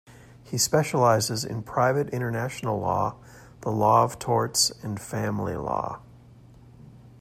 He specialises in private international law, the law of torts and family law.